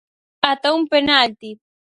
Ata un penalti.